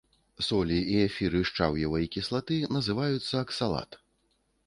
Солі і эфіры шчаўевай кіслаты называюцца аксалат.